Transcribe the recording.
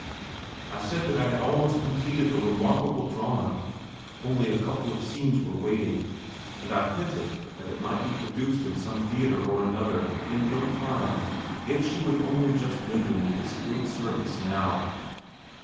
I said that I had almost completed a remarkable drama, only a couple of scenes were wanting; and I hinted that it might be produced in some theatre or another, in no time. If she would only just render me this great service now....